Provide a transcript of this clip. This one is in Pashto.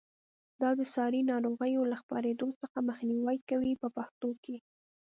دا د ساري ناروغیو له خپرېدو څخه مخنیوی کوي په پښتو کې.